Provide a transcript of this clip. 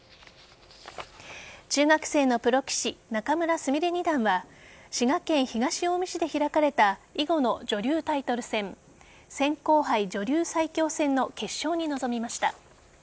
中学生のプロ棋士・仲邑菫二段は滋賀県東近江市で開かれた囲碁の女流タイトル戦扇興杯女流最強戦の決勝に臨みました。